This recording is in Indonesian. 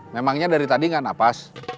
memangnya dari tadi gak nafas